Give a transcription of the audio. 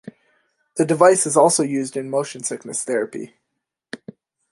The device is also used in motion sickness therapy.